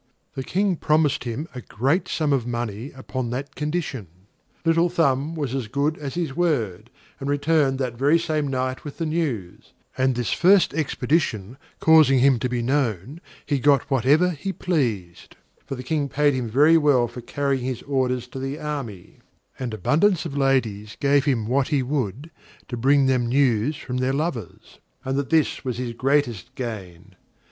The King promised him a great sum of money upon that condition. Little Thumb was as good as his word, and returned that very same night with the news; and this first expedition causing him to be known, he got whatever he pleased; for the King paid him very well for carrying his orders to the army, and abundance of ladies gave him what he would to bring them news from their lovers; and that this was his greatest gain.